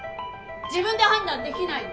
自分で判断できないの？